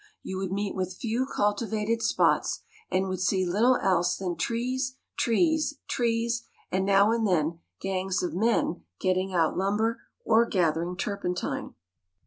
You would meet with few cultivated spots, and would see little else than trees, trees, trees, and now and then gangs of men getting out lumber or gathering turpentine.